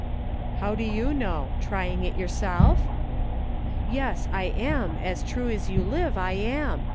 " How do you know } Trying it yourself }" "Yes, I am ; as true as you live I am.